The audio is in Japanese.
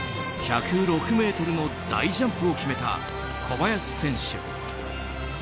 １０６ｍの大ジャンプを決めた小林選手。